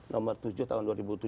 nomor tujuh tahun dua ribu tujuh